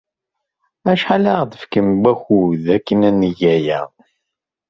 Acḥal ara aɣ-d-tefkem n wakud akken ad neg aya?